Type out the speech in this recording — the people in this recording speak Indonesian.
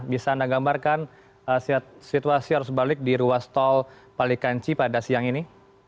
bisa anda gambarkan situasi harus balik di ruas tol palikanci pada siang ini